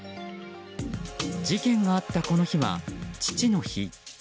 事件があったこの日は、父の日。